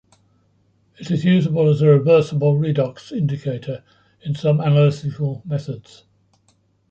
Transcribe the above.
It is usable as a reversible redox indicator in some analytical methods.